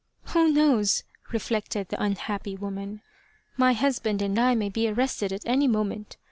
" Who knows !" reflected the unhappy woman. " My husband and I may be arrested at any moment.